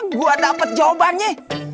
gua dapet jawabannya